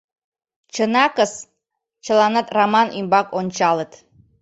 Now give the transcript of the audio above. — Чынакыс! — чыланат Раман ӱмбак ончалыт.